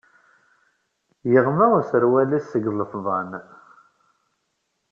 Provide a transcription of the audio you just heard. Yeɣma userwal-is seg yilefḍan.